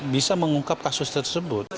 bisa mengungkap kasus tersebut